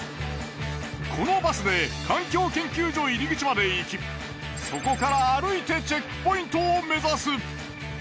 このバスで環境研究所入口まで行きそこから歩いてチェックポイントを目指す。